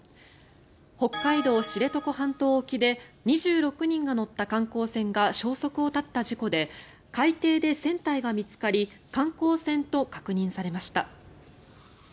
北海道・知床半島沖で２６人が乗った観光船が消息を絶った事故で海底で船体が見つかり観光船と確認されました。